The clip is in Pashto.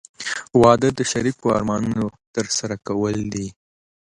• واده د شریکو ارمانونو ترسره کول دي.